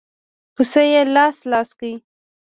پسه يې لاس لاس کړ.